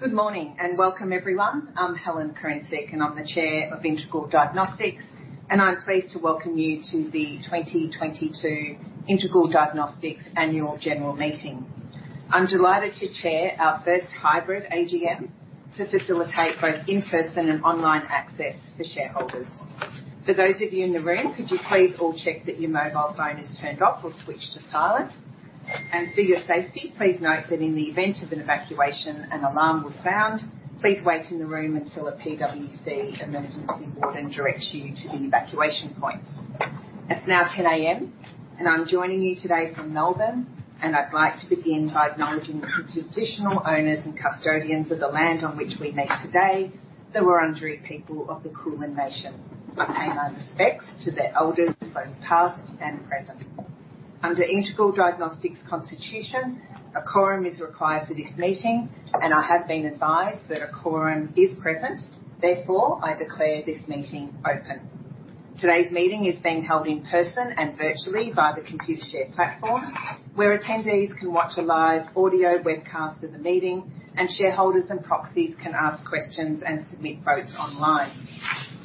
Good morning, and welcome everyone. I'm Helen Kurincic, and I'm the Chair of Integral Diagnostics, and I'm pleased to welcome you to the 2022 Integral Diagnostics Annual General Meeting. I'm delighted to chair our first hybrid AGM to facilitate both in-person and online access for shareholders. For those of you in the room, could you please all check that your mobile phone is turned off or switched to silent. For your safety, please note that in the event of an evacuation an alarm was sounded, please wait in the room until a PwC emergency warden directs you to the evacuation points. It's now 10:00 A.M., and I'm joining you today from Melbourne, and I'd like to begin by acknowledging the Traditional Owners and Custodians of the land on which we meet today, the Wurundjeri people of the Kulin Nation, and I pay my respects to their Elders, both past and present. Under Integral Diagnostics constitution, a quorum is required for this meeting, and I have been advised that a quorum is present. Therefore, I declare this meeting open. Today's meeting is being held in person and virtually by the Computershare platform, where attendees can watch a live audio webcast of the meeting, and shareholders and proxies can ask questions and submit votes online.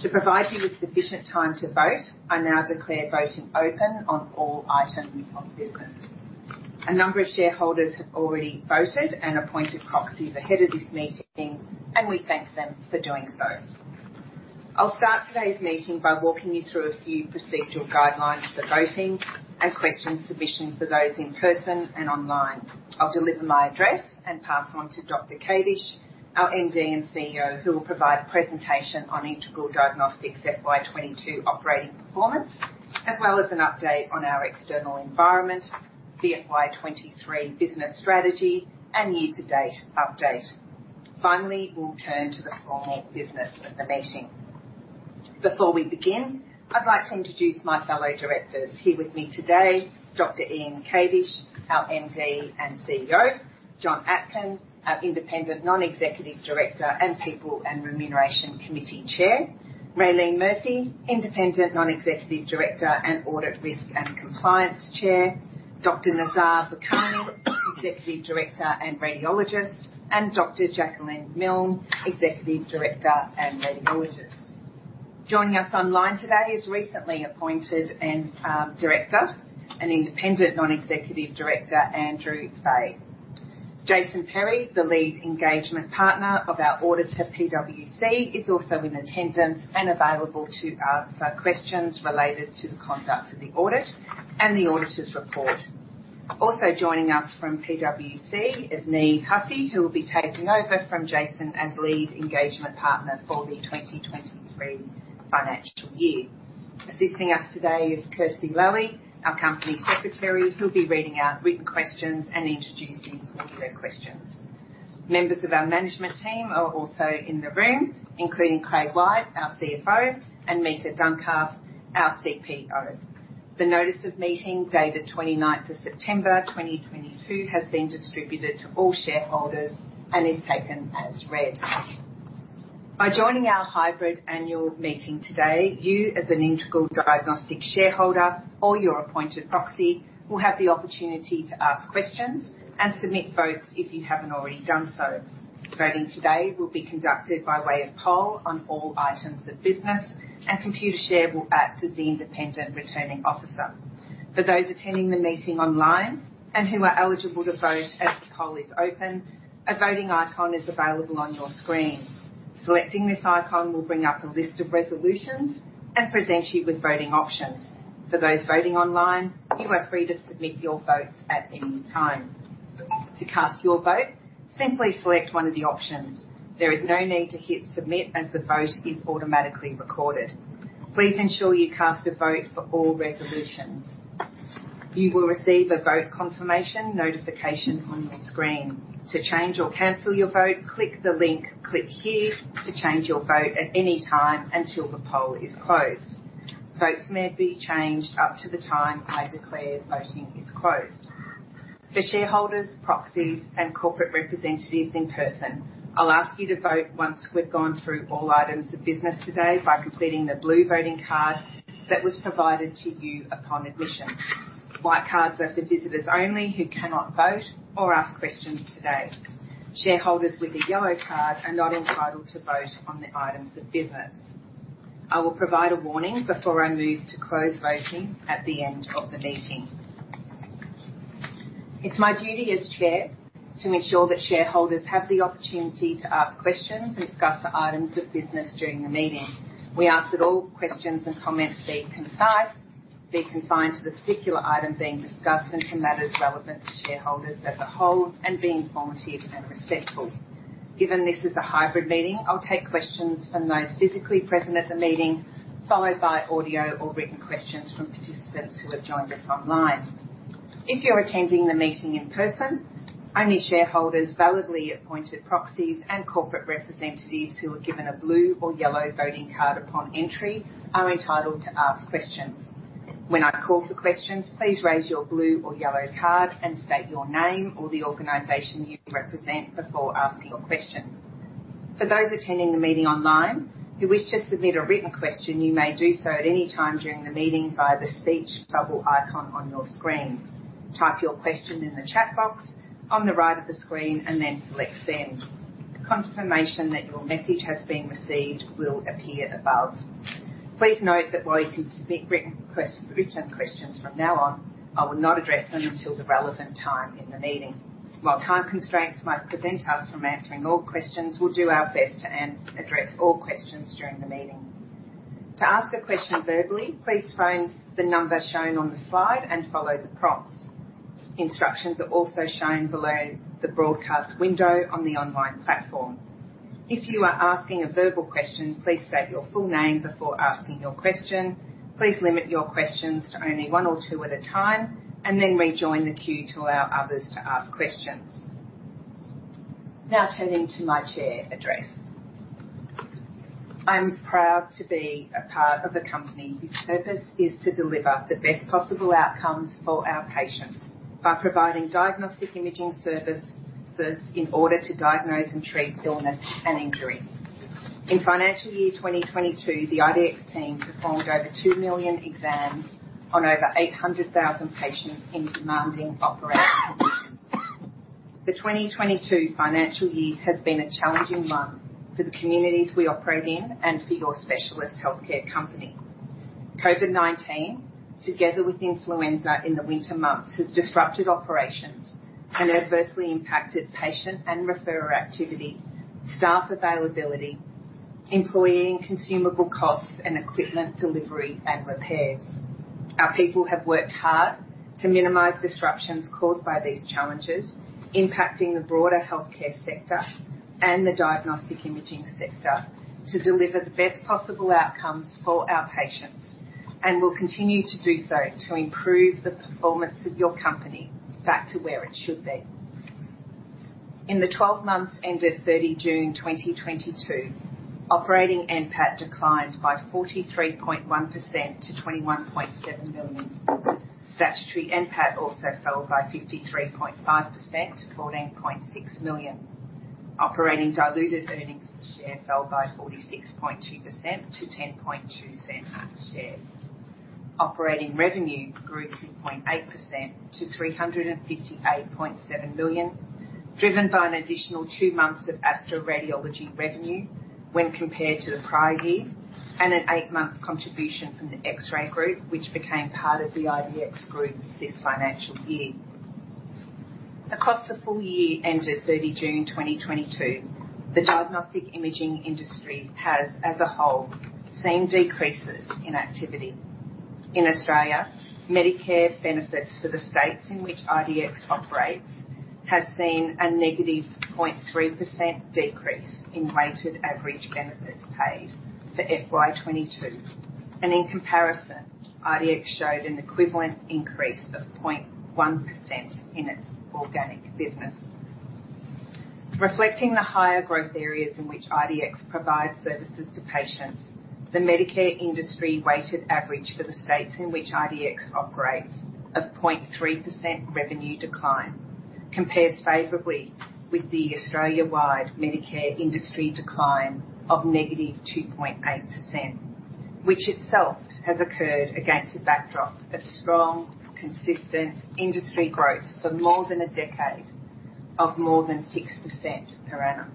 To provide you with sufficient time to vote, I now declare voting open on all items of business. A number of shareholders have already voted and appointed proxies ahead of this meeting, and we thank them for doing so. I'll start today's meeting by walking you through a few procedural guidelines for voting and question submission for those in person and online. I'll deliver my address and pass on to Dr. Kadish, our MD and CEO, who will provide a presentation on Integral Diagnostics FY 2022 operating performance, as well as an update on our external environment, the FY 2023 business strategy, and year-to-date update. We'll turn to the formal business of the meeting. Before we begin, I'd like to introduce my fellow directors here with me today, Dr. Ian Kadish, our MD and CEO, John Atkin, our Independent Non-Executive Director, and People and Remuneration Committee Chair. Raelene Murphy, Independent Non-Executive Director, and Audit, Risk and Compliance Chair. Dr. Nazar Bokani, Executive Director and Radiologist, and Dr. Jacqueline Milne, Executive Director and Radiologist. Joining us online today is recently appointed Independent Non-Executive Director, Andrew Fay. Jason Perry, the Lead Engagement Partner of our auditor, PwC, is also in attendance and available to answer questions related to the conduct of the audit and the auditor's report. Also joining us from PwC is Niamh Hussey, who will be taking over from Jason Perry as Lead Engagement Partner for the 2023 financial year. Assisting us today is Kirsty Lally, our Company Secretary, who'll be reading out written questions and introducing audio questions. Members of our management team are also in the room, including Craig White, our CFO, and Mica Duncalfe, our CPO. The notice of meeting, dated September 29th, 2022, has been distributed to all shareholders and is taken as read. By joining our hybrid annual meeting today, you, as an Integral Diagnostics shareholder or your appointed proxy, will have the opportunity to ask questions and submit votes if you haven't already done so. Voting today will be conducted by way of poll on all items of business, and Computershare will act as the independent returning officer. For those attending the meeting online and who are eligible to vote as the poll is open, a voting icon is available on your screen. Selecting this icon will bring up a list of resolutions and present you with voting options. For those voting online, you are free to submit your votes at any time. To cast your vote, simply select one of the options. There is no need to hit submit as the vote is automatically recorded. Please ensure you cast a vote for all resolutions. You will receive a vote confirmation notification on your screen. To change or cancel your vote, click the link "Click here" to change your vote at any time until the poll is closed. Votes may be changed up to the time I declare voting is closed. For shareholders, proxies, and corporate representatives in person, I'll ask you to vote once we've gone through all items of business today by completing the blue voting card that was provided to you upon admission. White cards are for visitors only who cannot vote or ask questions today. Shareholders with a yellow card are not entitled to vote on the items of business. I will provide a warning before I move to close voting at the end of the meeting. It's my duty as Chair to make sure that shareholders have the opportunity to ask questions and discuss the items of business during the meeting. We ask that all questions and comments be concise, be confined to the particular item being discussed and to matters relevant to shareholders as a whole, and being informative and respectful. Given this is a hybrid meeting, I'll take questions from those physically present at the meeting, followed by audio or written questions from participants who have joined us online. If you're attending the meeting in person, only shareholders, validly appointed proxies, and corporate representatives who were given a blue or yellow voting card upon entry are entitled to ask questions. When I call for questions, please raise your blue or yellow card and state your name or the organization you represent before asking your question. For those attending the meeting online, if you wish to submit a written question, you may do so at any time during the meeting via the speech bubble icon on your screen. Type your question in the chat box on the right of the screen and then select Send. The confirmation that your message has been received will appear above. Please note that while you can submit written pre-written questions from now on, I will not address them until the relevant time in the meeting. While time constraints might prevent us from answering all questions, we'll do our best to address all questions during the meeting. To ask a question verbally, please phone the number shown on the slide and follow the prompts. Instructions are also shown below the broadcast window on the online platform. If you are asking a verbal question, please state your full name before asking your question. Please limit your questions to only one or two at a time, and then rejoin the queue to allow others to ask questions. Now turning to my Chair address. I'm proud to be a part of a company whose purpose is to deliver the best possible outcomes for our patients by providing diagnostic imaging services in order to diagnose and treat illness and injury. In financial year 2022, the IDX team performed over 2 million exams on over 800,000 patients in demanding operating conditions. The 2022 financial year has been a challenging one for the communities we operate in and for your specialist healthcare company. COVID-19, together with influenza in the winter months, has disrupted operations and adversely impacted patient and referrer activity, staff availability, employee and consumable costs and equipment delivery and repairs. Our people have worked hard to minimize disruptions caused by these challenges, impacting the broader healthcare sector and the diagnostic imaging sector to deliver the best possible outcomes for our patients, and will continue to do so to improve the performance of your company back to where it should be. In the 12 months ended 30 June 2022, operating NPAT declined by 43.1% to 21.7 million. Statutory NPAT also fell by 53.5% to 14.6 million. Operating diluted earnings per share fell by 46.2% to AUD 0.102 a share. Operating revenue grew 2.8% to 358.7 million, driven by an additional two months of Astra Radiology revenue when compared to the prior year, and an eight-month contribution from The X-Ray Group, which became part of the IDX group this financial year. Across the full year ended June 30, 2022, the diagnostic imaging industry has, as a whole, seen decreases in activity. In Australia, Medicare benefits for the states in which IDX operates has seen a negative 0.3% decrease in weighted average benefits paid for FY 2022. In comparison, IDX showed an equivalent increase of 0.1% in its organic business. Reflecting the higher growth areas in which IDX provides services to patients, the Medicare industry weighted average for the states in which IDX operates of 0.3% revenue decline compares favorably with the Australia-wide Medicare industry decline of -2.8%. Which itself has occurred against a backdrop of strong, consistent industry growth for more than a decade of more than 6% per annum.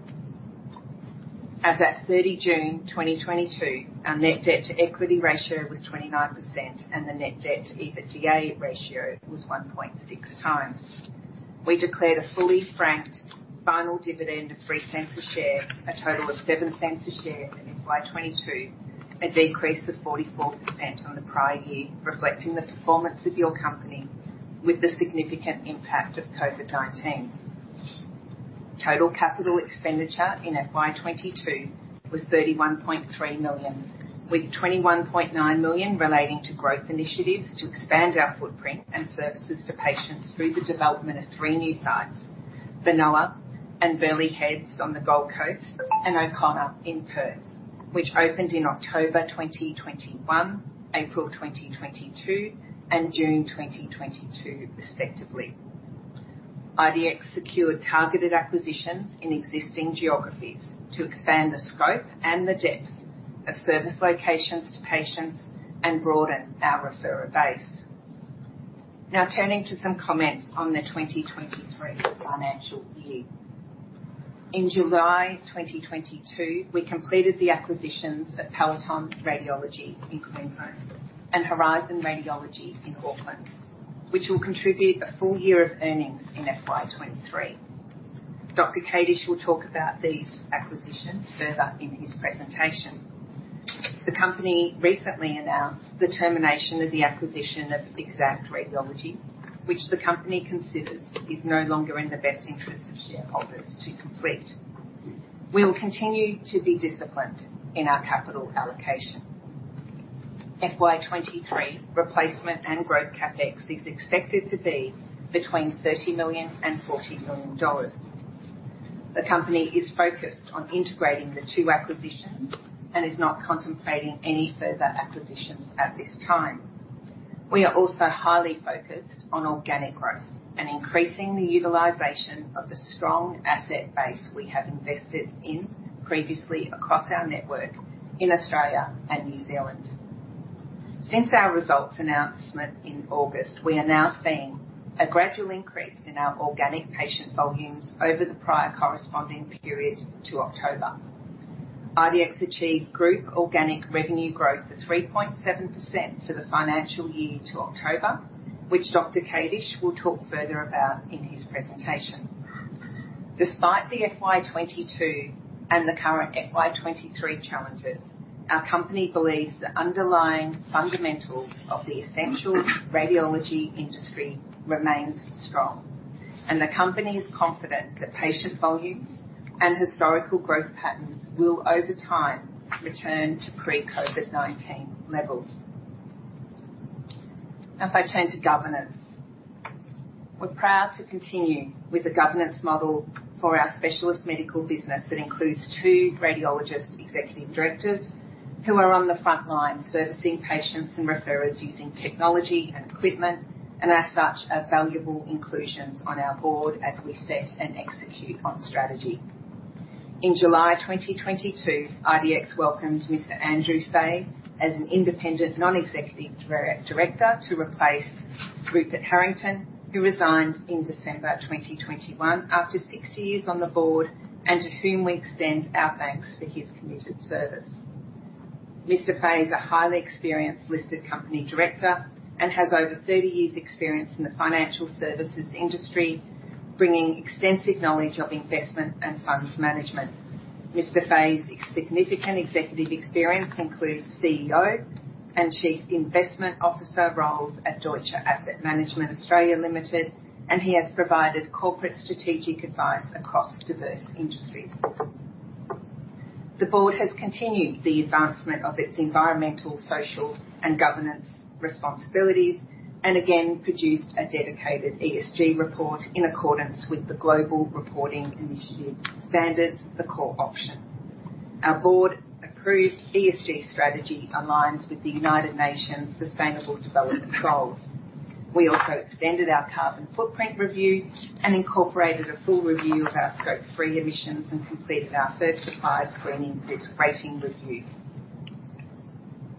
As at June 30, 2022, our net debt-to-equity ratio was 29% and the net debt-to-EBITDA ratio was 1.6x. We declared a fully franked final dividend of 0.03 a share, a total of 0.07 a share in FY 2022, a decrease of 44% on the prior year, reflecting the performance of your company with the significant impact of COVID-19. Total capital expenditure in FY 2022 was 31.3 million, with 21.9 million relating to growth initiatives to expand our footprint and services to patients through the development of three new sites, Biloela and Burleigh Heads on the Gold Coast and O'Connor in Perth, which opened in October 2021, April 2022, and June 2022, respectively. IDX secured targeted acquisitions in existing geographies to expand the scope and the depth of service locations to patients and broaden our referrer base. Now turning to some comments on the 2023 financial year. In July 2022, we completed the acquisitions of Peloton Radiology in Queensland and Horizon Radiology in Auckland, which will contribute a full year of earnings in FY 2023. Dr. Kadish will talk about these acquisitions further in his presentation. The Company recently announced the termination of the acquisition of Exact Radiology, which the Company considers is no longer in the best interest of shareholders to complete. We will continue to be disciplined in our capital allocation. FY 2023 replacement and growth CapEx is expected to be between 30 million and 40 million dollars. The Company is focused on integrating the two acquisitions and is not contemplating any further acquisitions at this time. We are also highly focused on organic growth and increasing the utilization of the strong asset base we have invested in previously across our network in Australia and New Zealand. Since our results announcement in August, we are now seeing a gradual increase in our organic patient volumes over the prior corresponding period to October. IDX achieved group organic revenue growth of 3.7% for the financial year to October, which Dr. Kadish will talk further about in his presentation. Despite the FY 2022 and the current FY 2023 challenges, our company believes the underlying fundamentals of the essential radiology industry remains strong, and the Company is confident that patient volumes and historical growth patterns will, over time, return to pre-COVID-19 levels. Now if I turn to governance. We're proud to continue with the governance model for our specialist medical business that includes two radiologist executive directors who are on the front line servicing patients and referrers using technology and equipment, and as such, are valuable inclusions on our Board as we set and execute on strategy. In July 2022, IDX welcomed Mr. Andrew Fay as an Independent Non-Executive Director to replace Rupert Harrington, who resigned in December 2021 after six years on the Board, and to whom we extend our thanks for his committed service. Mr. Fay is a highly experienced listed company director and has over 30 years' experience in the financial services industry, bringing extensive knowledge of investment and funds management. Mr. Fay's extensive executive experience includes CEO and chief investment officer roles at Deutsche Asset Management Australia Limited, and he has provided corporate strategic advice across diverse industries. The Board has continued the advancement of its environmental, social, and governance responsibilities, and again, produced a dedicated ESG report in accordance with the Global Reporting Initiative Standards, the Core option. Our Board-approved ESG strategy aligns with the United Nations Sustainable Development Goals. We also extended our carbon footprint review and incorporated a full review of our Scope 3 emissions and completed our first supplier screening risk rating review.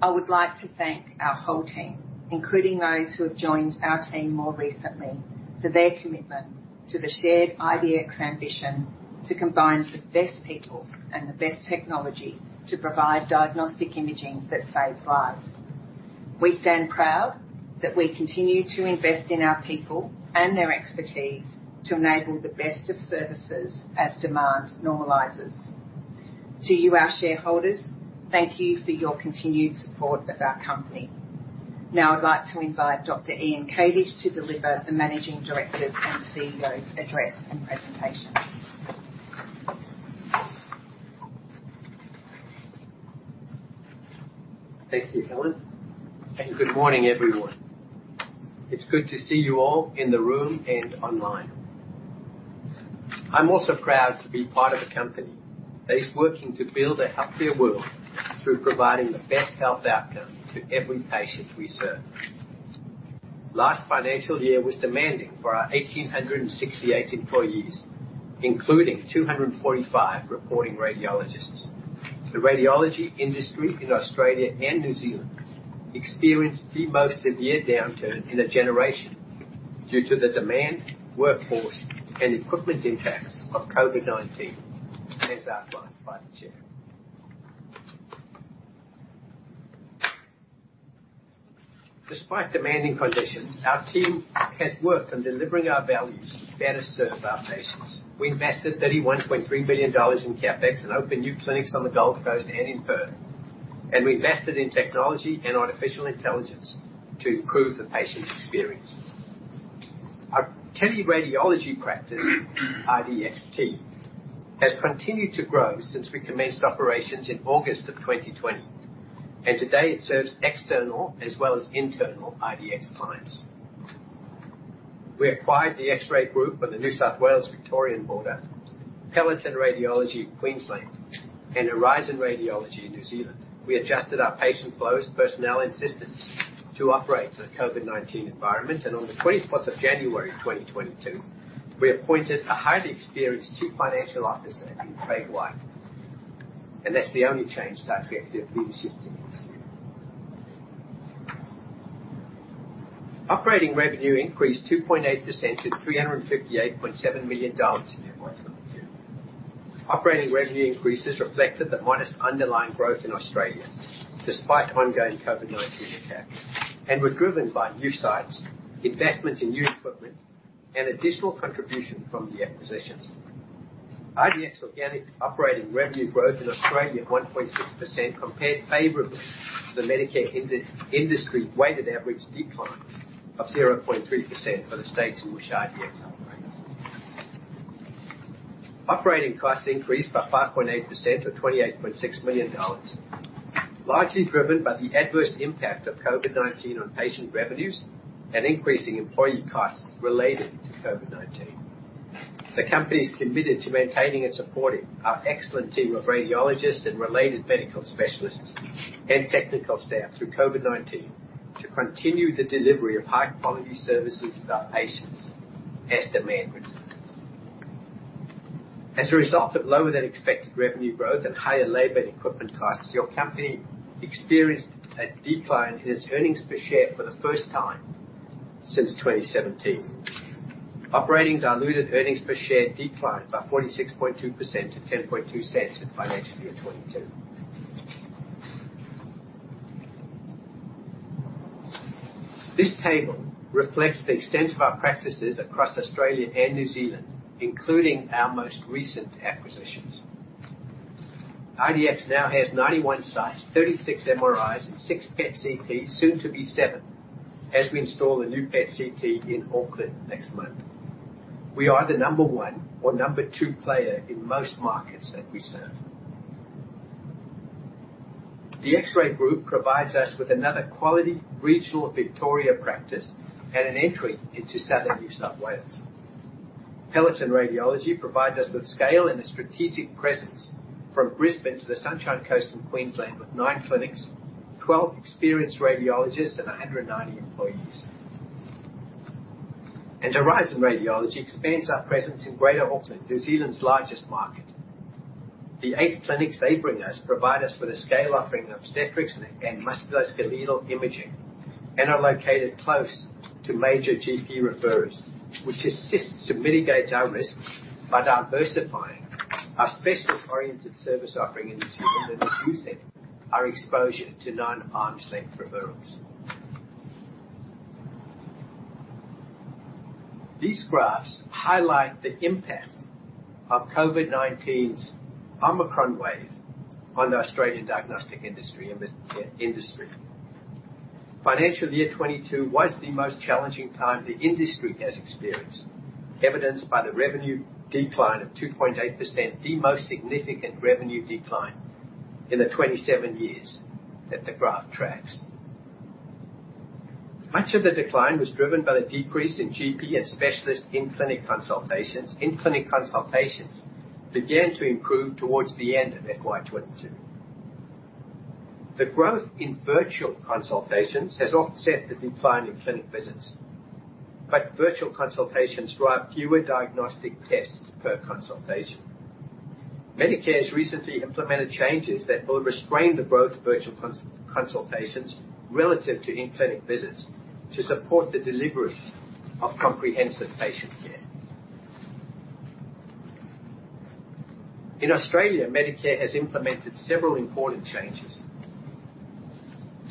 I would like to thank our whole team, including those who have joined our team more recently, for their commitment to the shared IDX ambition to combine the best people and the best technology to provide diagnostic imaging that saves lives. We stand proud that we continue to invest in our people and their expertise to enable the best of services as demand normalizes. To you, our shareholders, thank you for your continued support of our company. Now I'd like to invite Dr. Ian Kadish to deliver the Managing Director and CEO's address and presentation. Thank you, Helen. Good morning, everyone. It's good to see you all in the room and online. I'm also proud to be part of a company that is working to build a healthier world through providing the best health outcome to every patient we serve. Last financial year was demanding for our 1,868 employees, including 245 reporting radiologists. The radiology industry in Australia and New Zealand experienced the most severe downturn in a generation due to the demand, workforce, and equipment impacts of COVID-19, as outlined by the Chair. Despite demanding conditions, our team has worked on delivering our values to better serve our patients. We invested 31.3 billion dollars in CapEx and opened new clinics on the Gold Coast and in Perth. We invested in technology and artificial intelligence to improve the patient experience. Our teleradiology practice, IDXt, has continued to grow since we commenced operations in August of 2020, and today it serves external as well as internal IDX clients. We acquired the X-Ray Group on the New South Wales-Victorian border, Peloton Radiology in Queensland, and Horizon Radiology in New Zealand. We adjusted our patient flows, personnel, and systems to operate in a COVID-19 environment. On January 24th, 2022, we appointed a highly experienced Chief Financial Officer in Craig White. That's the only change to our executive leadership team this year. Operating revenue increased 2.8% to 358.7 million dollars in FY 2022. Operating revenue increases reflected the modest underlying growth in Australia, despite ongoing COVID-19 impacts, and were driven by new sites, investments in new equipment, and additional contribution from the acquisitions. IDX organic operating revenue growth in Australia of 1.6% compared favorably to the Medicare industry weighted average decline of 0.3% for the states in which IDX operates. Operating costs increased by 5.8% to 28.6 million dollars, largely driven by the adverse impact of COVID-19 on patient revenues and increasing employee costs relating to COVID-19. The Company is committed to maintaining and supporting our excellent team of radiologists and related medical specialists and technical staff through COVID-19 to continue the delivery of high-quality services to our patients as demand reduces. As a result of lower than expected revenue growth and higher labor and equipment costs, your company experienced a decline in its earnings per share for the first time since 2017. Operating diluted earnings per share declined by 46.2% to 0.102 in financial year 2022. This table reflects the extent of our practices across Australia and New Zealand, including our most recent acquisitions. IDX now has 91 sites, 36 MRIs, and six PET/CT, soon to be seven, as we install a new PET/CT in Auckland next month. We are the number one or number two player in most markets that we serve. The X-Ray Group provides us with another quality regional Victoria practice and an entry into Southern New South Wales. Peloton Radiology provides us with scale and a strategic presence from Brisbane to the Sunshine Coast in Queensland, with 9 clinics, 12 experienced radiologists, and 190 employees. Horizon Radiology expands our presence in Greater Auckland, New Zealand's largest market. The eight clinics they bring us provide us with a scale offering obstetrics and musculoskeletal imaging, and are located close to major GP referrers, which assists to mitigate our risk by diversifying our specialist-oriented service offering in New Zealand and reducing our exposure to non-arm's length referrals. These graphs highlight the impact of COVID-19's Omicron wave on the Australian diagnostic industry. Financial year 2022 was the most challenging time the industry has experienced, evidenced by the revenue decline of 2.8%, the most significant revenue decline in the 27 years that the graph tracks. Much of the decline was driven by the decrease in GP and specialist in-clinic consultations. In-clinic consultations began to improve towards the end of FY 2022. The growth in virtual consultations has offset the decline in clinic visits, but virtual consultations drive fewer diagnostic tests per consultation. Medicare's recently implemented changes that will restrain the growth of virtual consultations relative to in-clinic visits to support the delivery of comprehensive patient care. In Australia, Medicare has implemented several important changes.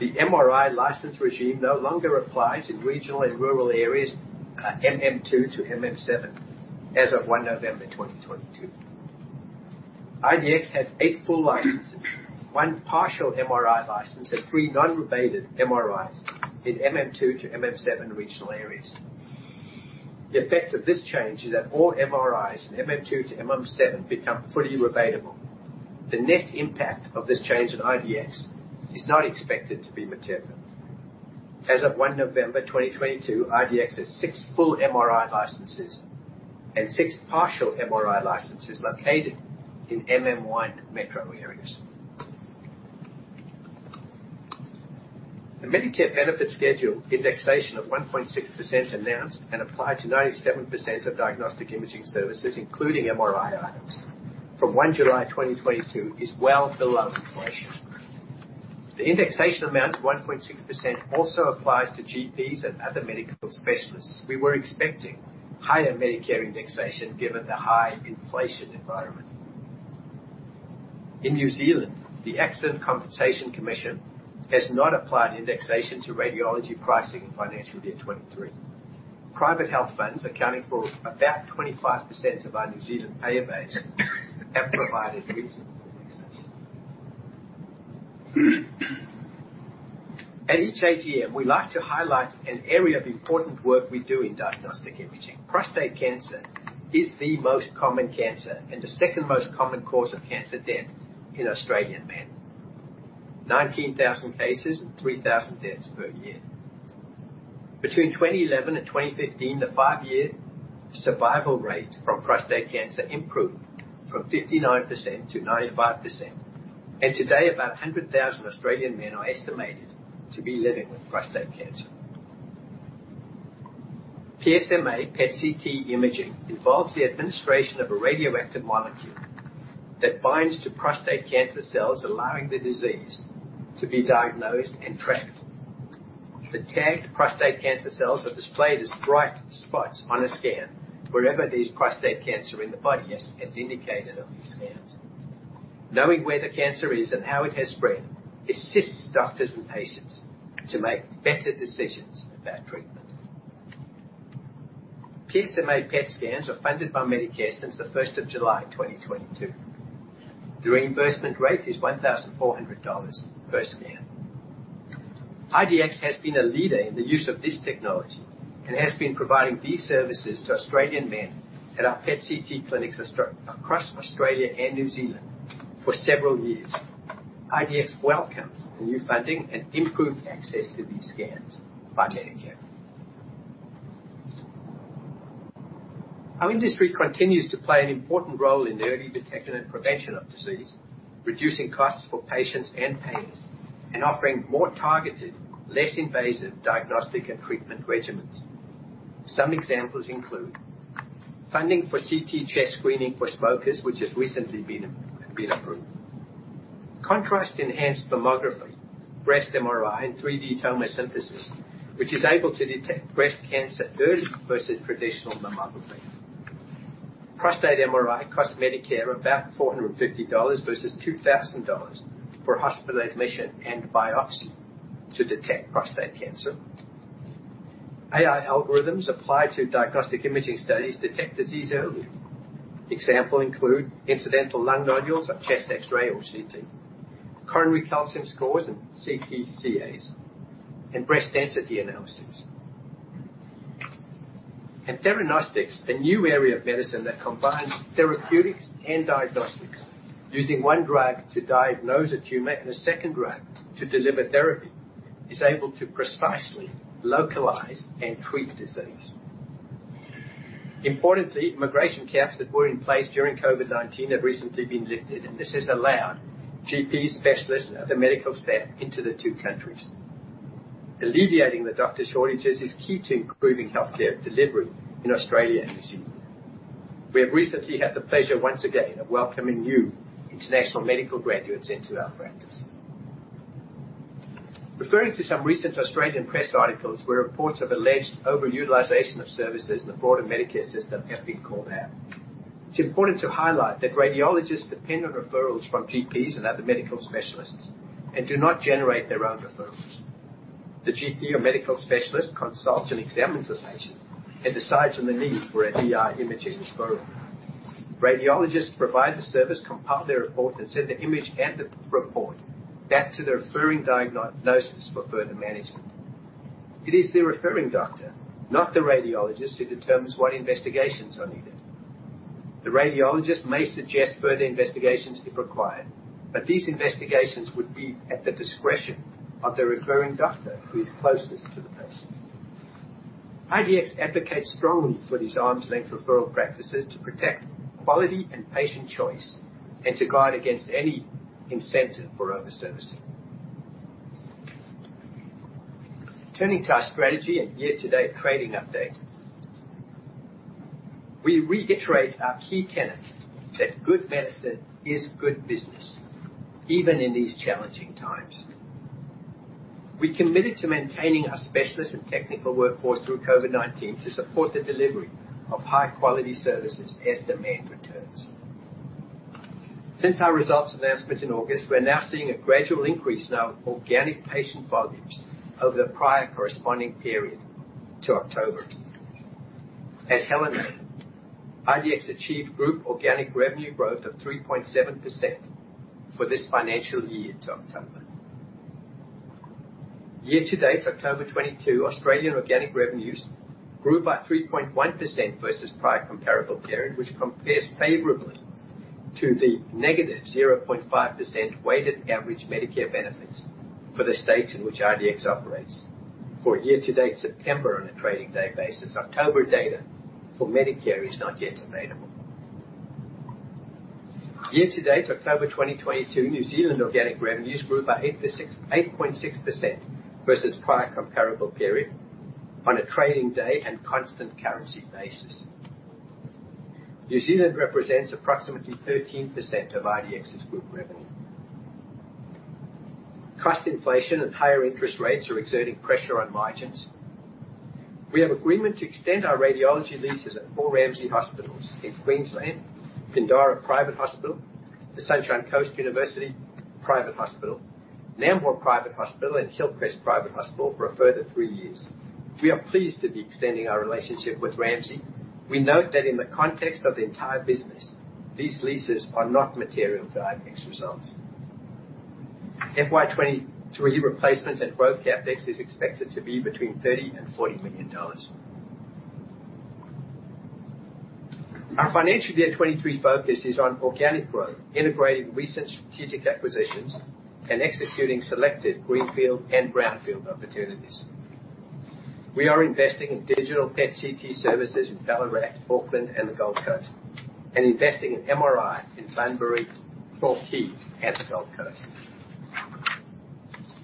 The MRI license regime no longer applies in regional and rural areas, MM two to MM seven, as of November 1, 2022. IDX has eight full licenses, one partial MRI license, and three non-rebated MRIs in MM two to MM seven regional areas. The effect of this change is that all MRIs in MM two to MM seven become fully rebatable. The net impact of this change on IDX is not expected to be material. As of November 1, 2022, IDX has six full MRI licenses and six partial MRI licenses located in MM one metro areas. The Medicare Benefits Schedule indexation of 1.6% announced and applied to 97% of diagnostic imaging services, including MRI items, from July 1, 2022, is well below inflation. The indexation amount of 1.6% also applies to GPs and other medical specialists. We were expecting higher Medicare indexation given the high inflation environment. In New Zealand, the Accident Compensation Corporation has not applied indexation to radiology pricing in financial year 2023. Private health funds, accounting for about 25% of our New Zealand payer base, have provided reasonable access. At each AGM, we like to highlight an area of important work we do in diagnostic imaging. Prostate cancer is the most common cancer and the second most common cause of cancer death in Australian men. 19,000 cases, 3,000 deaths per year. Between 2011 and 2015, the five-year survival rate from prostate cancer improved from 59% to 95%. Today, about 100,000 Australian men are estimated to be living with prostate cancer. PSMA PET/CT imaging involves the administration of a radioactive molecule that binds to prostate cancer cells, allowing the disease to be diagnosed and tracked. The tagged prostate cancer cells are displayed as bright spots on a scan wherever there's prostate cancer in the body, as indicated on these scans. Knowing where the cancer is and how it has spread assists doctors and patients to make better decisions about treatment. PSMA PET scans are funded by Medicare since July 1, 2022. The reimbursement rate is 1,400 dollars per scan. IDX has been a leader in the use of this technology and has been providing these services to Australian men at our PET/CT clinics across Australia and New Zealand for several years. IDX welcomes the new funding and improved access to these scans by Medicare. Our industry continues to play an important role in early detection and prevention of disease, reducing costs for patients and payers, and offering more targeted, less invasive diagnostic and treatment regimens. Some examples include funding for CT chest screening for smokers, which has recently been approved. Contrast enhanced mammography, breast MRI, and 3D tomosynthesis, which is able to detect breast cancer early versus traditional mammography. Prostate MRI costs Medicare about 450 dollars versus 2,000 dollars for hospitalization and biopsy to detect prostate cancer. AI algorithms applied to diagnostic imaging studies detect disease early. Examples include incidental lung nodules on chest X-ray or CT, coronary calcium scores and CTCAs, and breast density analysis. Theranostics, a new area of medicine that combines therapeutics and diagnostics using one drug to diagnose a tumor and a second drug to deliver therapy, is able to precisely localize and treat disease. Importantly, immigration caps that were in place during COVID-19 have recently been lifted, and this has allowed GP specialists and other medical staff into the two countries. Alleviating the doctor shortages is key to improving healthcare delivery in Australia and New Zealand. We have recently had the pleasure once again of welcoming new international medical graduates into our practice. Referring to some recent Australian press articles where reports of alleged overutilization of services in the broader Medicare system have been called out. It's important to highlight that radiologists depend on referrals from GPs and other medical specialists and do not generate their own referrals. The GP or medical specialist consults and examines the patient and decides on the need for a DI imaging referral. Radiologists provide the service, compile their report, and send the image and the report back to the referring diagnosis for further management. It is the referring doctor, not the radiologist, who determines what investigations are needed. The radiologist may suggest further investigations if required, but these investigations would be at the discretion of the referring doctor who is closest to the patient. IDX advocates strongly for these arm's length referral practices to protect quality and patient choice and to guard against any incentive for over-servicing. Turning to our strategy and year-to-date trading update. We reiterate our key tenets that good medicine is good business, even in these challenging times. We committed to maintaining our specialist and technical workforce through COVID-19 to support the delivery of high-quality services as demand returns. Since our results announcement in August, we're now seeing a gradual increase in our organic patient volumes over the prior corresponding period to October. As Helen knows, IDX achieved group organic revenue growth of 3.7% for this financial year to October. Year-to-date, October 2022, Australian organic revenues grew by 3.1% versus prior comparable period, which compares favorably to the negative 0.5% weighted average Medicare benefits for the states in which IDX operates. For year-to-date September on a trading day basis, October data for Medicare is not yet available. Year-to-date, October 2022, New Zealand organic revenues grew by 8.6% versus prior comparable period on a trading day and constant currency basis. New Zealand represents approximately 13% of IDX's group revenue. Cost inflation and higher interest rates are exerting pressure on margins. We have agreement to extend our radiology leases at four Ramsay Hospitals in Queensland, Pindara Private Hospital, the Sunshine Coast University Private Hospital, Nambour Private Hospital, and Hillcrest Private Hospital for a further three years. We are pleased to be extending our relationship with Ramsay. We note that in the context of the entire business, these leases are not material to IDX results. FY 2023 replacements and growth CapEx is expected to be between 30 million and 40 million dollars. Our financial year 2023 focus is on organic growth, integrating recent strategic acquisitions, and executing selected greenfield and brownfield opportunities. We are investing in digital PET/CT services in Ballarat, Auckland, and the Gold Coast, and investing in MRI in Sunbury, Four Peaks, and the Gold Coast.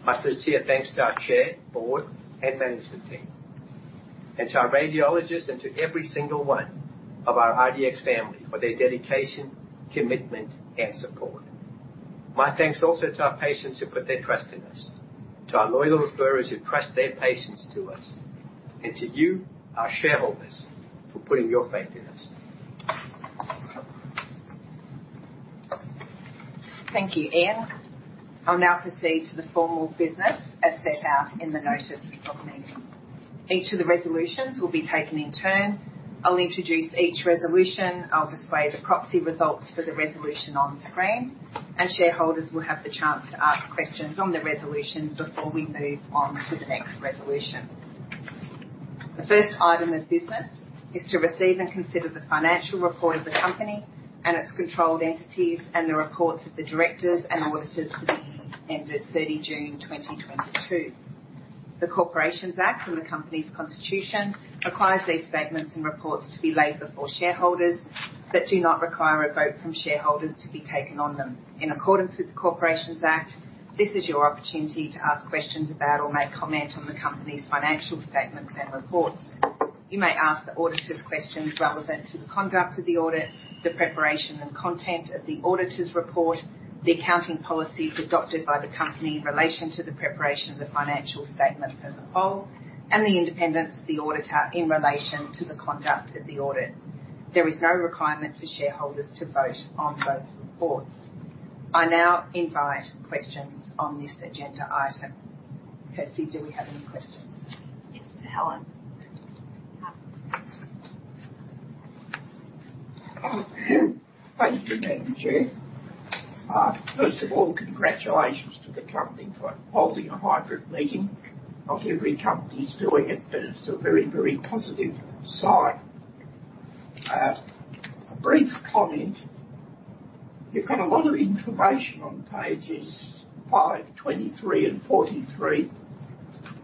My sincere thanks to our Chair, Board, and management team, and to our radiologists and to every single one of our IDX family for their dedication, commitment, and support. My thanks also to our patients who put their trust in us, to our loyal referrers who trust their patients to us, and to you, our shareholders, for putting your faith in us. Thank you, Ian. I'll now proceed to the formal business as set out in the notice of meeting. Each of the resolutions will be taken in turn. I'll introduce each resolution. I'll display the proxy results for the resolution on the screen. Shareholders will have the chance to ask questions on the resolution before we move on to the next resolution. The first item of business is to receive and consider the financial report of the company and its controlled entities, and the reports of the directors and auditors for the year ended June 30, 2022. The Corporations Act and the company's constitution requires these statements and reports to be laid before shareholders, but do not require a vote from shareholders to be taken on them. In accordance with the Corporations Act, this is your opportunity to ask questions about or make comment on the company's financial statements and reports. You may ask the auditors questions relevant to the conduct of the audit, the preparation and content of the auditor's report, the accounting policies adopted by the company in relation to the preparation of the financial statements as a whole, and the independence of the auditor in relation to the conduct of the audit. There is no requirement for shareholders to vote on those reports. I now invite questions on this agenda item. Kirsty, do we have any questions? Yes, Helen. Thank you, Madam Chair. First of all, congratulations to the company for holding a hybrid meeting. Not every company is doing it, but it's a very, very positive sign. A brief comment. You've got a lot of information on pages 5, 23 and 43.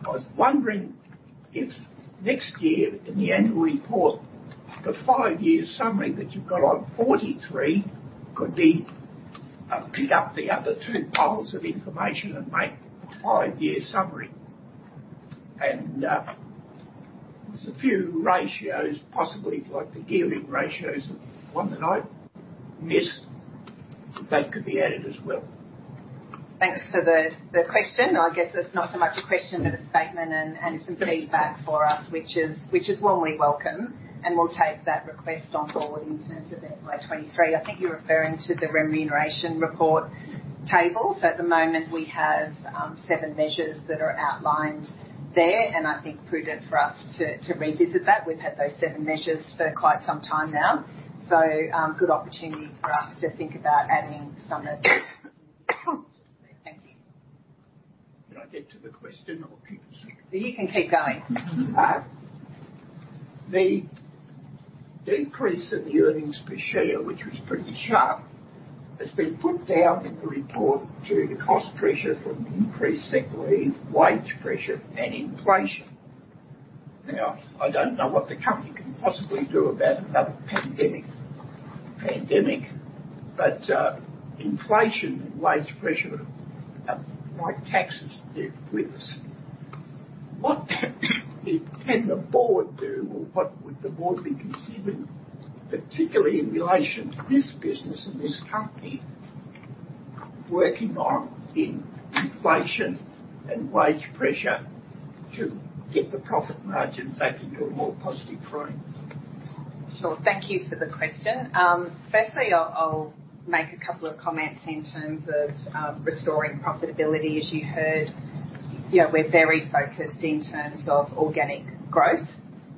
I was wondering if next year in the annual report, the five-year summary that you've got on 43 could be pick up the other two piles of information and make a five-year summary. There's a few ratios, possibly like the gearing ratios, one that I missed, that could be added as well. Thanks for the question. I guess it's not so much a question, but a statement and some feedback for us, which is warmly welcome, and we'll take that request on board in terms of FY 2023. I think you're referring to the remuneration report tables. At the moment, we have seven measures that are outlined there, and I think prudent for us to revisit that. We've had those seven measures for quite some time now. Good opportunity for us to think about adding some of that. Thank you. Can I get to the question or keep it short? You can keep going. All right. The decrease in the earnings per share, which was pretty sharp, has been put down in the report due to cost pressure from increased sick leave, wage pressure and inflation. Now, I don't know what the company can possibly do about another pandemic, but inflation and wage pressure, like taxes, they're with us. What can the Board do, or what would the Board be considering, particularly in relation to this business and this company working on in inflation and wage pressure to get the profit margins back into a more positive frame? Sure. Thank you for the question. First, I'll make a couple of comments in terms of restoring profitability. As you heard, you know, we're very focused in terms of organic growth,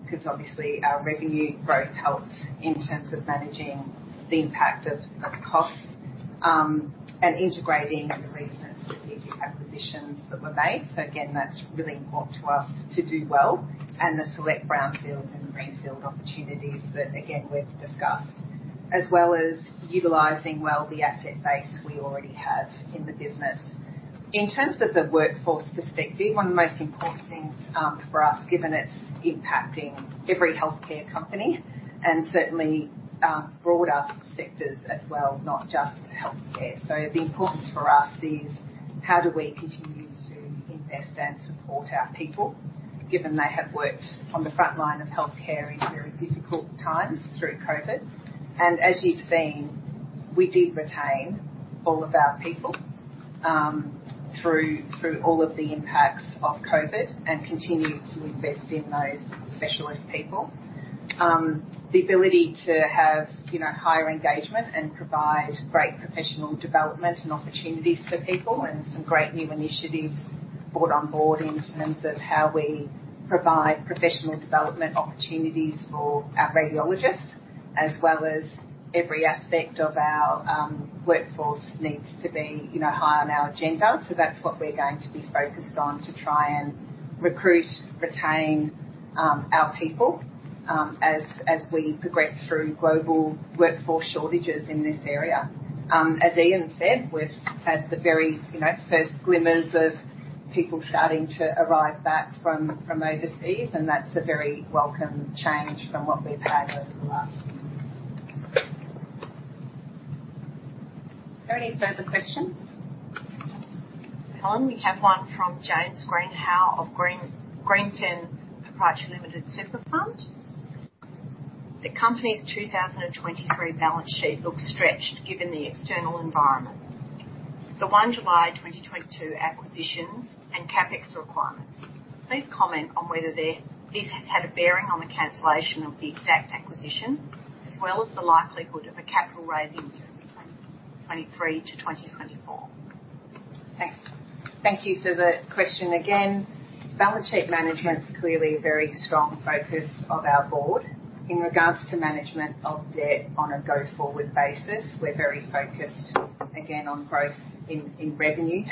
'cause obviously our revenue growth helps in terms of managing the impact of costs, and integrating the recent strategic acquisitions that were made. That's really important to us to do well. The select brownfield and greenfield opportunities that, again, we've discussed. As well as utilizing well the asset base we already have in the business. In terms of the workforce perspective, one of the most important things for us, given it's impacting every healthcare company and certainly broader sectors as well, not just healthcare. The importance for us is how do we continue to invest and support our people given they have worked on the frontline of healthcare in very difficult times through COVID. As you've seen, we did retain all of our people through all of the impacts of COVID and continue to invest in those specialist people. The ability to have, you know, higher engagement and provide great professional development and opportunities for people and some great new initiatives brought on board in terms of how we provide professional development opportunities for our radiologists. As well as every aspect of our workforce needs to be, you know, high on our agenda. That's what we're going to be focused on to try and recruit, retain our people, as we progress through global workforce shortages in this area. As Ian said, we've had the very, you know, first glimmers of people starting to arrive back from overseas, and that's a very welcome change from what we've had over the last. Are there any further questions? Helen, we have one from James Greenhow of [Green-Greenton Proprietary Limited Superfund]. The company's 2023 balance sheet looks stretched given the external environment. The July 1, 2022 acquisitions and CapEx requirements. Please comment on whether there, this has had a bearing on the cancellation of the Exact acquisition, as well as the likelihood of a capital raise in 2023 to 2024. Thanks. Thank you for the question again. Balance sheet management's clearly a very strong focus of our Board. In regards to management of debt on a go-forward basis, we're very focused again on growth in revenue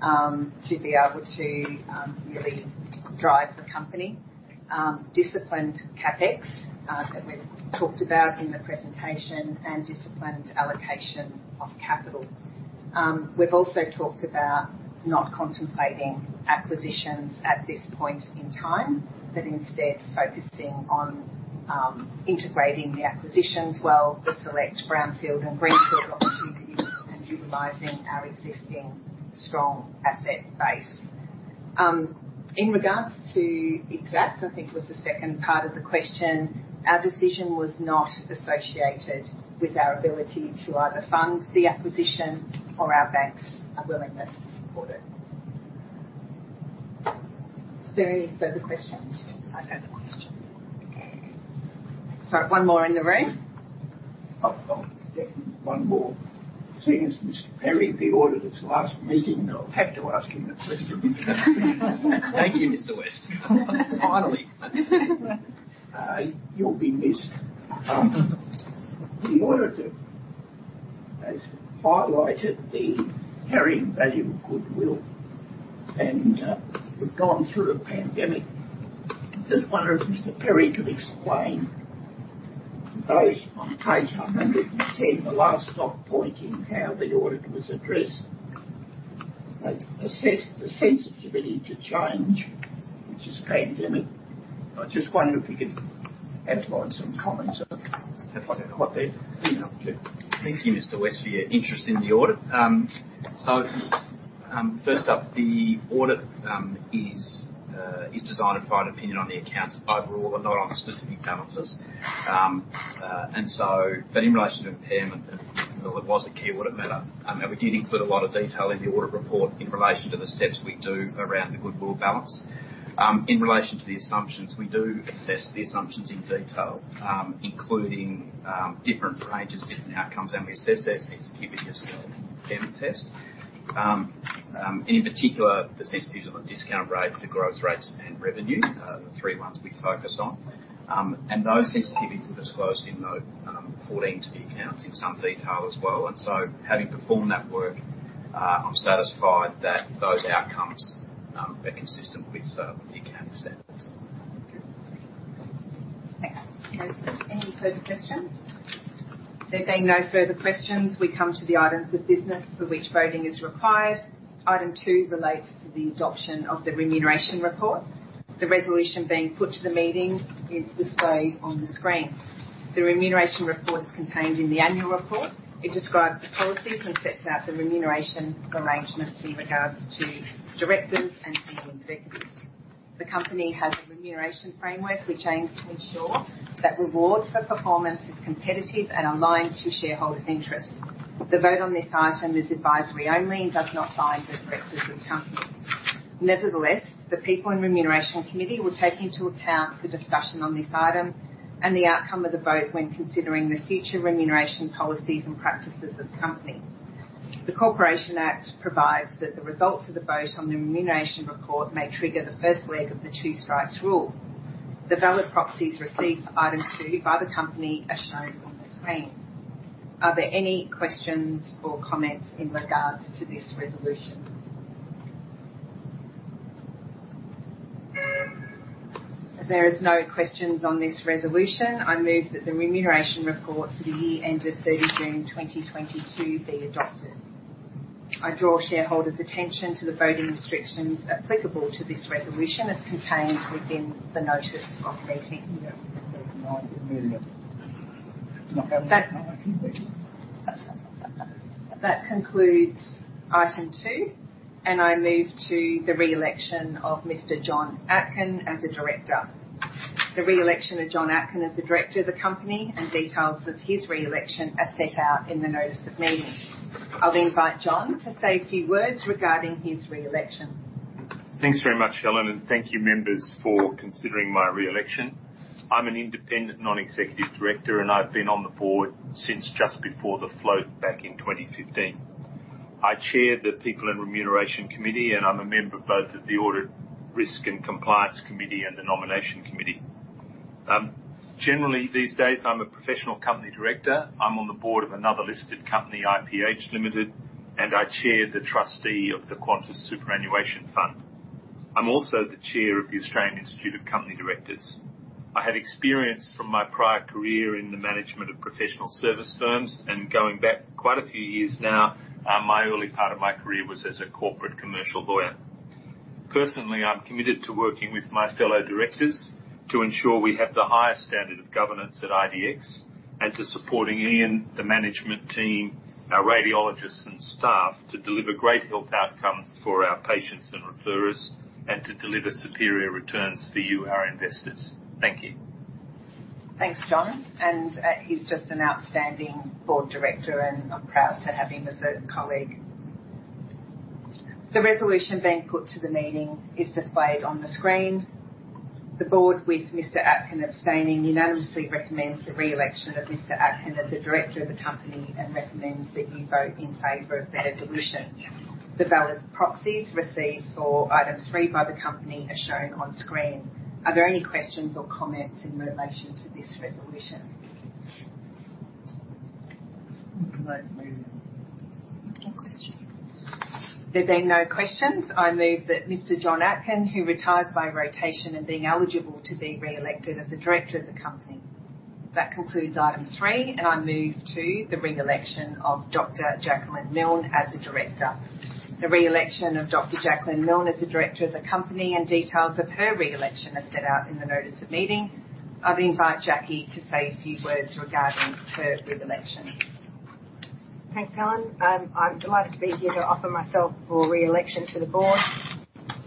to be able to really drive the company. Disciplined CapEx that we've talked about in the presentation and disciplined allocation of capital. We've also talked about not contemplating acquisitions at this point in time, but instead focusing on integrating the acquisitions while the select brownfield and greenfield opportunities and utilizing our existing strong asset base. In regards to the Exact, I think was the second part of the question, our decision was not associated with our ability to either fund the acquisition or our bank's willingness to support it. Is there any further questions? No further question. Okay. One more in the room. One more. Seeing as Mr. Perry, the auditor's last meeting, I'll have to ask him a question. Thank you, Mr. West. Finally. You'll be missed. The auditor has highlighted the carrying value of goodwill, and we've gone through the pandemic. Just wonder if Mr. Perry could explain those on page 110, the last stopping point in how the audit was addressed. Like, assess the sensitivity to change, which is pandemic. I just wonder if you could outline some comments on that. If I could hop in. Yeah, sure. Thank you, Mr. West, for your interest in the audit. So, first up, the audit is designed to provide opinion on the accounts overall and not on specific balances. In relation to impairment, well, it was a key audit matter, and we did include a lot of detail in the audit report in relation to the steps we do around the goodwill balance. In relation to the assumptions, we do assess the assumptions in detail, including different ranges, different outcomes, and we assess their sensitivity as well in the impairment test. In particular, the sensitivities of a discount rate for growth rates and revenue, the three months we focus on. Those sensitivities are disclosed in note 14 to the accounts in some detail as well. Having performed that work, I'm satisfied that those outcomes are consistent with the accounting standards. Okay. Thanks. Any further questions? There being no further questions, we come to the items of business for which voting is required. Item Two relates to the adoption of the remuneration report. The resolution being put to the meeting is displayed on the screen. The remuneration report is contained in the annual report. It describes the policies and sets out the remuneration arrangements in regards to directors and senior executives. The Company has a remuneration framework which aims to ensure that reward for performance is competitive and aligned to shareholders' interests. The vote on this item is advisory only and does not bind the Directors of the Company. Nevertheless, the People and Remuneration Committee will take into account the discussion on this item and the outcome of the vote when considering the future remuneration policies and practices of the Company. The Corporations Act provides that the results of the vote on the remuneration report may trigger the first leg of the two strikes rule. The valid proxies received for Item Two by the Company are shown on the screen. Are there any questions or comments in regard to this resolution? As there is no questions on this resolution, I move that the remuneration report for the year ended June 30, 2022 be adopted. I draw shareholders' attention to the voting restrictions applicable to this resolution as contained within the notice of meeting. Yeah. There's 9 million. That- Not having nine people. That concludes Item Two, and I move to the re-election of Mr. John Atkin as a Director. The re-election of John Atkin as a Director of the Company and details of his re-election are set out in the Notice of Meeting. I'll invite John to say a few words regarding his re-election. Thanks very much, Helen, and thank you, members, for considering my re-election. I'm an Independent Non-Executive Director, and I've been on the Board since just before the float back in 2015. I chair the People and Remuneration Committee, and I'm a member of both of the Audit, Risk, and Compliance Committee and the Nomination Committee. Generally these days, I'm a professional company director. I'm on the Board of another listed company, IPH Limited, and I chair the trustee of the Qantas Superannuation Plan. I'm also the Chair of the Australian Institute of Company Directors. I have experience from my prior career in the management of professional service firms and going back quite a few years now, my early part of my career was as a corporate commercial lawyer. Personally, I'm committed to working with my fellow directors to ensure we have the highest standard of governance at IDX and to supporting Ian, the management team, our radiologists and staff to deliver great health outcomes for our patients and referrers and to deliver superior returns for you, our investors. Thank you. Thanks, John. He's just an outstanding Board Director, and I'm proud to have him as a colleague. The resolution being put to the meeting is displayed on the screen. The Board, with Mr. Atkin abstaining, unanimously recommends the re-election of Mr. Atkin as a Director of the Company and recommends that you vote in favor of that resolution. The valid proxies received for Item Three by the Company are shown on screen. Are there any questions or comments in relation to this resolution? There being no questions, I move that Mr. John Atkin, who retires by rotation and being eligible to be re-elected as a Director of the Company. That concludes Item Three, I move to the re-election of Dr. Jacqueline Milne as a Director. The re-election of Dr. Jacqueline Milne as a Director of the Company and details of her re-election are set out in the Notice of Meeting. I'll invite Jackie to say a few words regarding her re-election. Thanks, Helen. I'm delighted to be here to offer myself for re-election to the Board.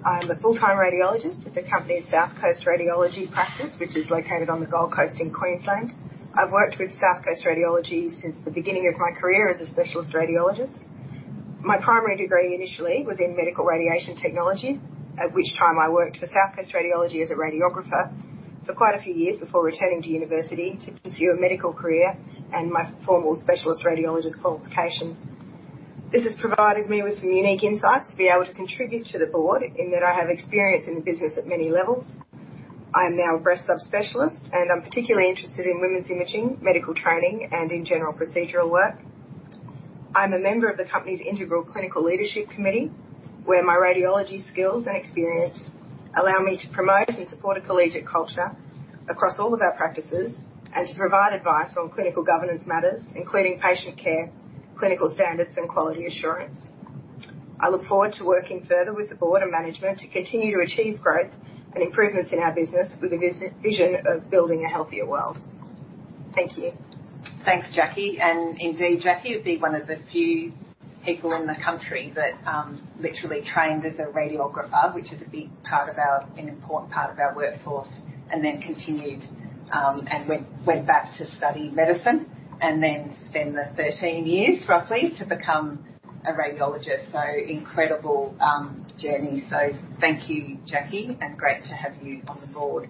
I'm a full-time radiologist with the Company's South Coast Radiology practice, which is located on the Gold Coast in Queensland. I've worked with South Coast Radiology since the beginning of my career as a specialist radiologist. My primary degree initially was in medical radiation technology, at which time I worked for South Coast Radiology as a radiographer for quite a few years before returning to university to pursue a medical career and my formal specialist radiologist qualifications. This has provided me with some unique insights to be able to contribute to the Board in that I have experience in the business at many levels. I am now a breast subspecialist, and I'm particularly interested in women's imaging, medical training, and in general procedural work. I'm a member of the Company's Integral Clinical Leadership Committee, where my radiology skills and experience allow me to promote and support a collegiate culture across all of our practices and to provide advice on clinical governance matters, including patient care, clinical standards, and quality assurance. I look forward to working further with the Board and management to continue to achieve growth and improvements in our business with a vision of building a healthier world. Thank you. Thanks, Jackie. Indeed, Jackie would be one of the few people in the country that literally trained as a radiographer, which is an important part of our workforce, and then continued and went back to study medicine and then spend the 13 years, roughly, to become a radiologist. Incredible journey. Thank you, Jackie, and great to have you on the Board.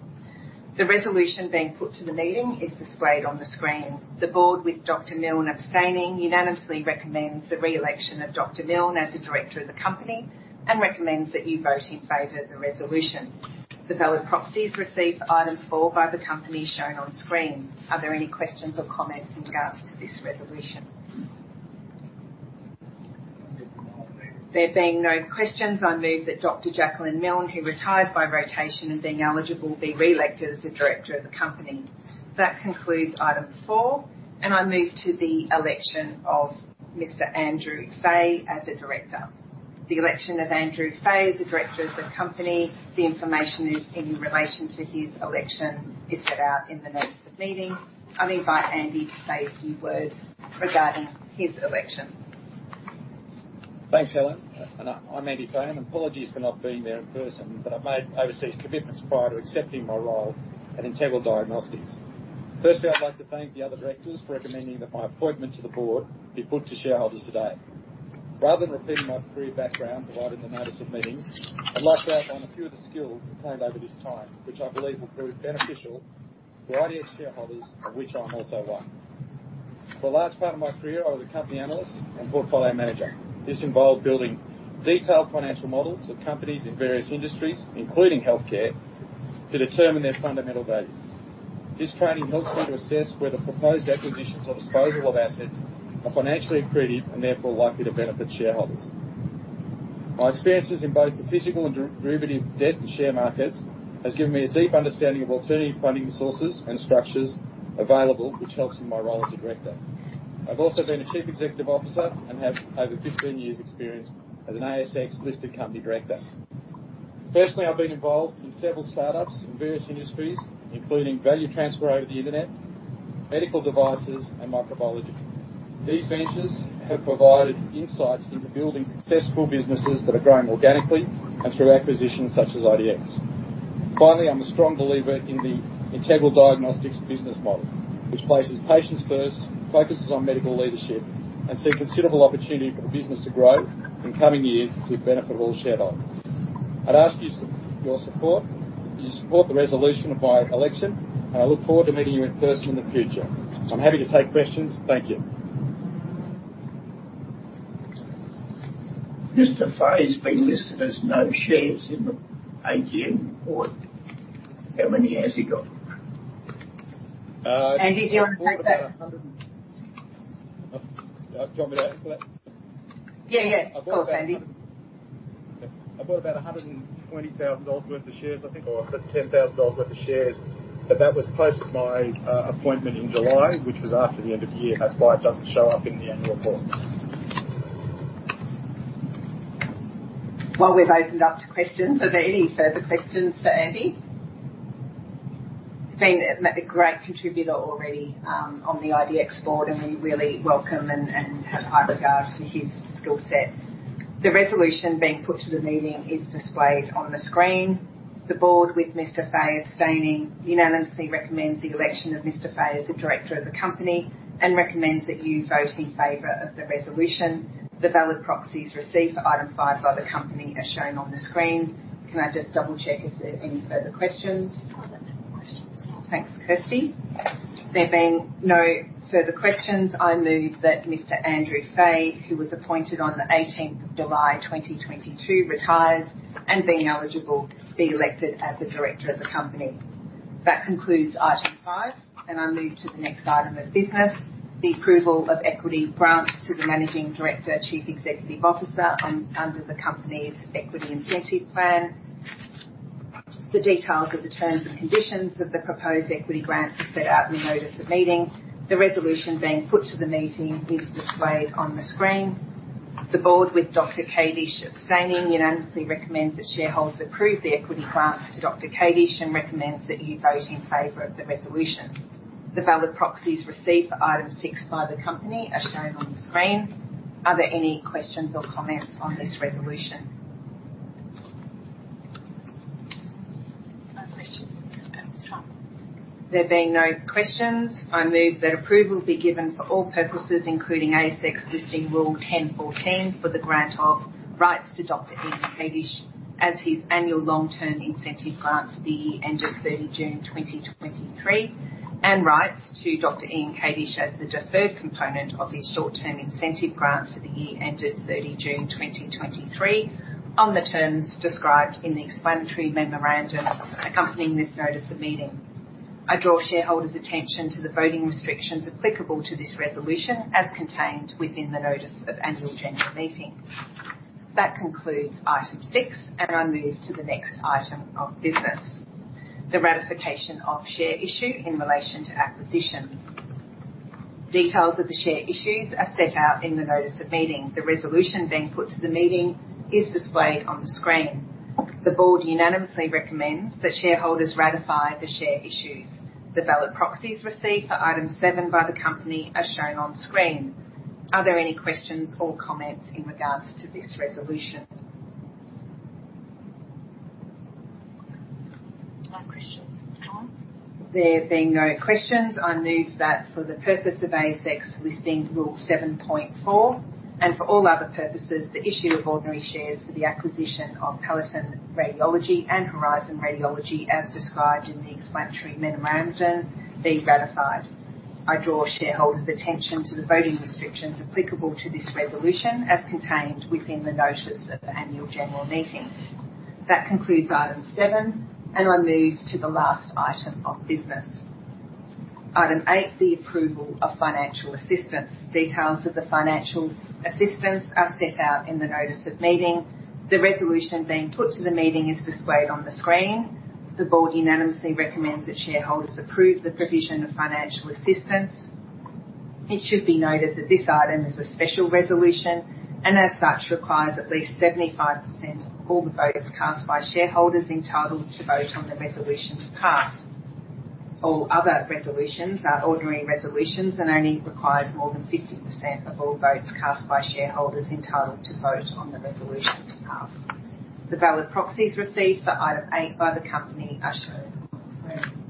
The resolution being put to the meeting is displayed on the screen. The Board, with Dr. Milne abstaining, unanimously recommends the re-election of Dr. Milne as a Director of the Company and recommends that you vote in favor of the resolution. The valid proxies received for Item Four by the Company shown on screen. Are there any questions or comments in regards to this resolution? There being no questions, I move that Dr. Jacqueline Milne, who retires by rotation and being eligible, be re-elected as a Director of the Company. That concludes Item Four, and I move to the election of Mr. Andrew Fay as a Director. The election of Andrew Fay as a Director of the Company. The information in relation to his election is set out in the notice of meeting. I invite Andy to say a few words regarding his election. Thanks, Helen. I'm Andy Fay, and apologies for not being there in person, but I've made overseas commitments prior to accepting my role at Integral Diagnostics. Firstly, I'd like to thank the other Directors for recommending that my appointment to the Board be put to shareholders today. Rather than repeating my career background provided in the Notice of Meeting, I'd like to outline a few of the skills I've gained over this time, which I believe will prove beneficial to IDX shareholders, of which I'm also one. For a large part of my career, I was a company analyst and portfolio manager. This involved building detailed financial models of companies in various industries, including healthcare, to determine their fundamental value. This training helps me to assess whether proposed acquisitions or disposal of assets are financially accretive and therefore likely to benefit shareholders. My experiences in both the physical and derivative debt and share markets have given me a deep understanding of alternative funding sources and structures available, which helps in my role as a director. I've also been a chief executive officer and have over 15 years' experience as an ASX-listed company director. Personally, I've been involved in several startups in various industries, including value transfer over the Internet, medical devices, and microbiology. These ventures have provided insights into building successful businesses that are growing organically and through acquisitions such as IDX. Finally, I'm a strong believer in the Integral Diagnostics business model, which places patients first, focuses on medical leadership and sees considerable opportunity for the business to grow in coming years to the benefit of all shareholders. I'd ask for your support for the resolution of my election, and I look forward to meeting you in person in the future. I'm happy to take questions. Thank you. Mr. Fay's been listed as no shares in the AGM report. How many has he got? Andy, do you want to take that? Do you want me to answer that? Yeah, yeah. Of course, Andy. I bought about 120,000 dollars worth of shares, I think, or 10,000 dollars worth of shares, but that was post my appointment in July, which was after the end of the year. That's why it doesn't show up in the annual report. Well, we've opened up to questions. Are there any further questions for Andy? He's been a great contributor already on the IDX Board, and we really welcome and have high regard for his skill set. The resolution being put to the meeting is displayed on the screen. The Board, with Mr. Fay abstaining, unanimously recommends the election of Mr. Fay as a Director of the Company and recommends that you vote in favor of the resolution. The valid proxies received for Item Five by the Company as shown on the screen. Can I just double-check if there are any further questions? I've got no more questions, no. Thanks, Kirsty. There being no further questions, I move that Mr. Andrew Fay, who was appointed on July 18th, 2022, retires, and being eligible, be elected as a Director of the Company. That concludes Item Five, and I'll move to the next item of business, the approval of equity grants to the managing director, chief executive officer under the Company's equity incentive plan. The details of the terms and conditions of the proposed equity grants are set out in the notice of meeting. The resolution being put to the meeting is displayed on the screen. The Board, with Dr. Kadish abstaining, unanimously recommends that shareholders approve the equity grants to Dr. Kadish and recommends that you vote in favor of the resolution. The valid proxies received for Item Six by the Company are shown on the screen. Are there any questions or comments on this resolution? No questions. There being no questions, I move that approval be given for all purposes, including ASX Listing Rule 10.14, for the grant of rights to Dr. Ian Kadish as his annual long-term incentive grant for the year ended June 30, 2023, and rights to Dr. Ian Kadish as the deferred component of his short-term incentive grant for the year ended June 30, 2023 on the terms described in the explanatory memorandum accompanying this notice of meeting. I draw shareholders' attention to the voting restrictions applicable to this resolution as contained within the notice of annual general meeting. That concludes Item Six, and I'll move to the next item of business, the ratification of share issue in relation to acquisitions. Details of the share issues are set out in the Notice of Meeting. The resolution being put to the meeting is displayed on the screen. The Board unanimously recommends that shareholders ratify the share issues. The valid proxies received for Item Seven by the Company are shown on screen. Are there any questions or comments in regards to this resolution? No questions. There being no questions, I move that for the purpose of ASX Listing Rule 7.4, and for all other purposes, the issue of ordinary shares for the acquisition of Peloton Radiology and Horizon Radiology as described in the explanatory memorandum be ratified. I draw shareholders' attention to the voting restrictions applicable to this resolution as contained within the notice of the annual general meeting. That concludes Item Seven, and I move to the last item of business. Item Eight, the approval of financial assistance. Details of the financial assistance are set out in the notice of meeting. The resolution being put to the meeting is displayed on the screen. The Board unanimously recommends that shareholders approve the provision of financial assistance. It should be noted that this item is a special resolution and as such requires at least 75% of all the votes cast by shareholders entitled to vote on the resolution to pass. All other resolutions are ordinary resolutions and only requires more than 50% of all votes cast by shareholders entitled to vote on the resolution to pass. The valid proxies received for Item Eight by the Company are shown on the screen.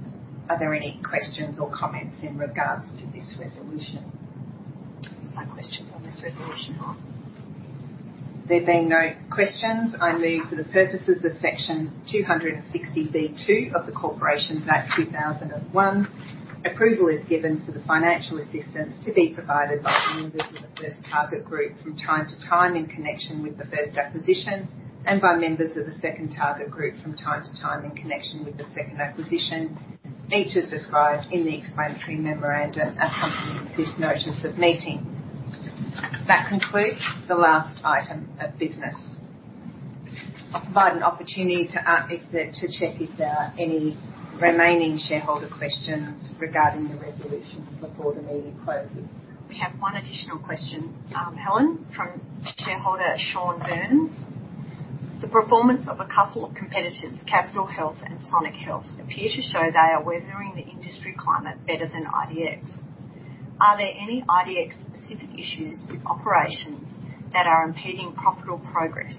Are there any questions or comments in regards to this resolution? No questions on this resolution. There being no questions, I move for the purposes of Section 260B of the Corporations Act 2001, approval is given for the financial assistance to be provided by members of the first target group from time to time in connection with the first acquisition and by members of the second target group from time to time in connection with the second acquisition, each as described in the explanatory memorandum accompanying this Notice of Meeting. That concludes the last item of business. I'll provide an opportunity to check if there are any remaining shareholder questions regarding the resolution before the meeting closes. We have one additional question, Helen, from shareholder Sean Burns. The performance of a couple of competitors, Capitol Health and Sonic Healthcare, appear to show they are weathering the industry climate better than IDX. Are there any IDX specific issues with operations that are impeding profitable progress?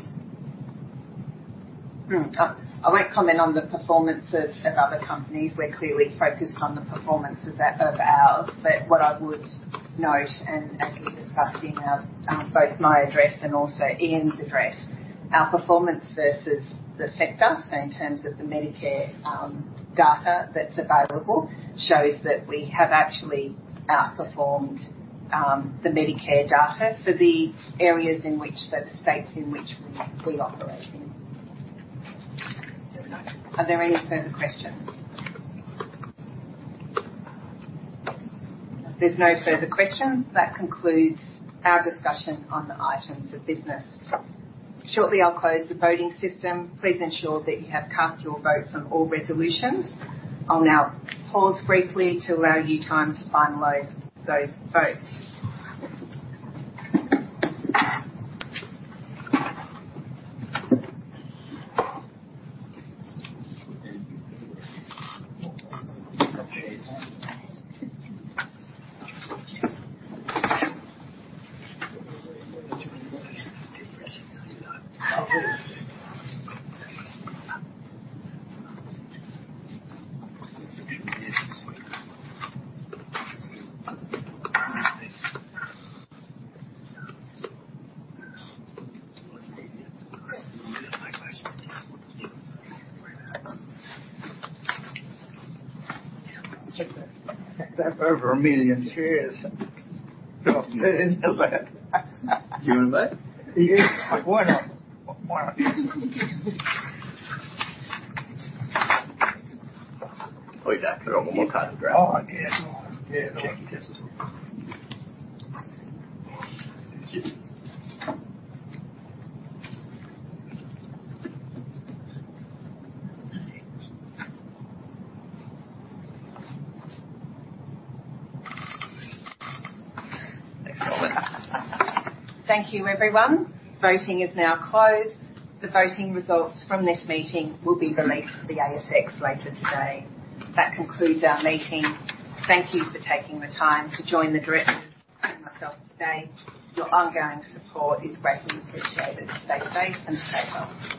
I won't comment on the performance of other companies. We're clearly focused on the performance of ours. What I would note, and as we discussed in both my address and also Ian's address, our performance versus the sector, so in terms of the Medicare data that's available, shows that we have actually outperformed the Medicare data for the states in which we operate in. Are there any further questions? If there's no further questions, that concludes our discussion on the items of business. Shortly, I'll close the voting system. Please ensure that you have cast your votes on all resolutions. I'll now pause briefly to allow you time to finalize those votes. Thank you, everyone. Voting is now closed. The voting results from this meeting will be released to the ASX later today. That concludes our meeting. Thank you for taking the time to join the directors and myself today. Your ongoing support is greatly appreciated. Stay safe and stay well. Thank you.